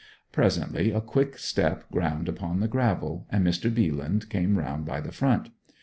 Presently a quick step ground upon the gravel, and Mr. Bealand came round by the front.